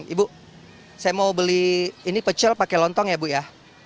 ibu saya mau beli ini pecel pakai lontong ya bu ya